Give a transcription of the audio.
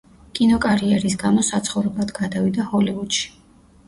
კინოკარიერის გამო საცხოვრებლად გადავიდა ჰოლივუდში.